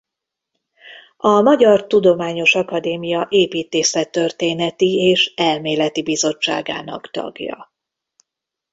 A Magyar Tudományos Akadémia Építészettörténeti és Elméleti Bizottságának tagja.